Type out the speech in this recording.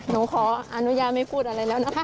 หนูขออนุญาตไม่พูดอะไรแล้วนะคะ